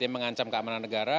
menghancam keamanan negara